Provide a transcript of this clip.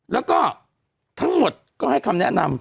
แล้วก็ทั้งหมดก็ให้คำแนะนำ